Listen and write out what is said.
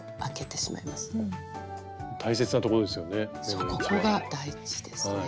そうここが大事ですね。